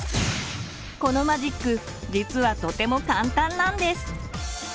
このマジック実はとても簡単なんです。